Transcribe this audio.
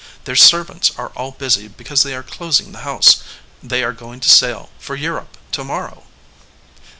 Their servants are all busy because they are closing the house. They are going to sail for Europe to mor row."